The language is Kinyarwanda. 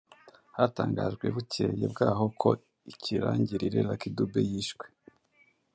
hatangajwe bukeye bwaho ko ikirangirire Lucky Dube yishwe